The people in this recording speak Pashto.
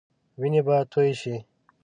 وينې به تويي شي.